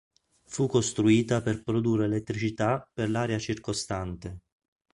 Fu costruita per produrre elettricità per l'area circostante.